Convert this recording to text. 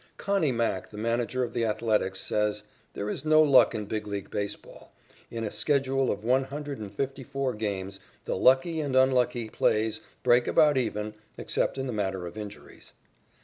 "Connie" Mack, the manager of the Athletics, says: "There is no luck in Big League baseball. In a schedule of one hundred and fifty four games, the lucky and unlucky plays break about even, except in the matter of injuries."